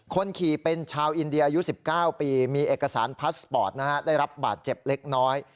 คนขี่เป็นชาวอินเดียอายุ๑๙ปีมีเอกสารพาสปอร์ตนะฮะได้รับบาดเจ็บเล็กน้อย